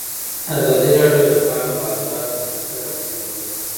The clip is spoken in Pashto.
ازادي راډیو د د کار بازار د منفي اړخونو یادونه کړې.